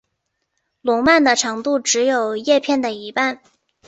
笼蔓的长度只有叶片的一半。